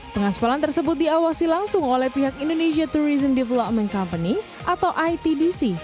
pengaspalan tersebut diawasi langsung oleh pihak indonesia tourism development company atau itdc